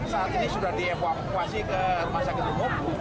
saat ini sudah dievakuasi ke rumah sakit umum